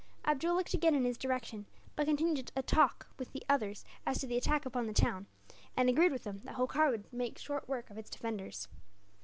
Abdool looked again in his direction; but continued to talk with the others as to the attack upon the town, and agreed with them that Holkar would make short work of its defenders.